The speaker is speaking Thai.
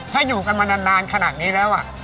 ถ้าอยู่กันมานานขนาดนี้แล้ว